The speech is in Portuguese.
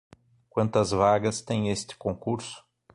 Quantas vagas tem este concurso?